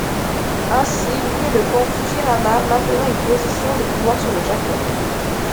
Ainsi, lui et le clan Fujiwara maintenaient une position de pouvoir sur le Japon.